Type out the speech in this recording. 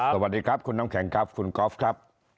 สวัสดีครับคุณน้ำแข็งครับคุณกอล์ฟครับ